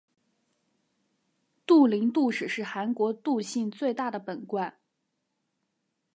杜陵杜氏是韩国杜姓最大的本贯。